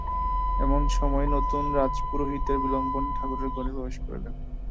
এমন সময়ে নূতন রাজপুরোহিত বিল্বন ঠাকুর ঘরে প্রবেশ করিলেন।